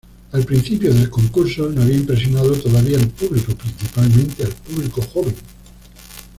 Al principio del concurso no había impresionado todavía al público, principalmente al público joven.